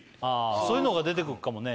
そういうのが出てくっかもね